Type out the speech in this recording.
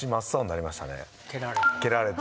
蹴られて？